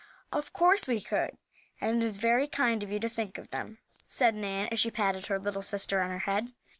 "Of course we could, and it is very kind of you to think of them," said Nan, as she patted her little sister on her head.